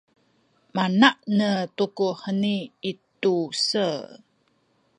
mana’nel tu ku heni i tu-se